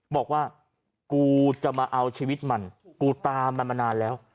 บอกว่ากูจะมาเอาชีวิตมันกูตามมันมานานแล้ว